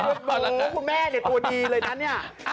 โอ้โฮคุณแม่ตัวดีเลยนะนี่